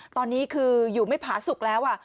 ตอนนี้คืออยู่ไม่ผาสุกแล้ว